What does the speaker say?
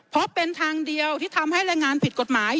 เพราะเป็นทางเดียวที่ทำให้แรงงานผิดกฎหมาย